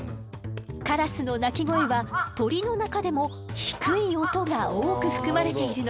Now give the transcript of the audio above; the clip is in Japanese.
カラスの鳴き声は鳥の中でも低い音が多く含まれているの。